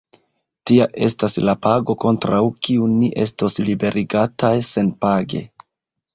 Tia estas la pago, kontraŭ kiu ni estos liberigataj senpage!